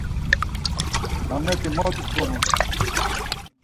Zamet̆i mot ikumtu.